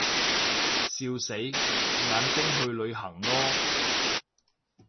笑死，眼睛去旅行囉